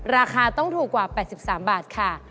ราคาต้องถูกกว่า๘๓บาทค่ะ